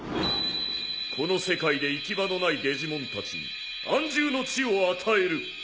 この世界で行き場のないデジモンたちに安住の地を与える！